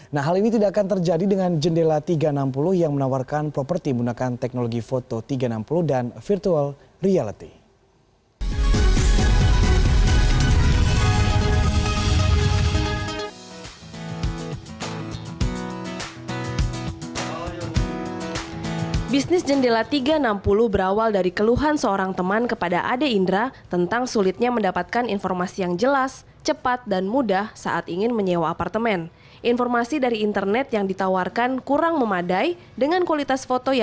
nah hal ini tidak akan terjadi dengan jendela tiga ratus enam puluh yang menawarkan properti menggunakan teknologi foto tiga ratus enam puluh dan virtual reality